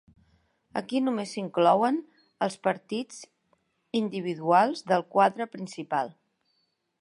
Aquí només s'inclouen els partits individuals del quadre principal.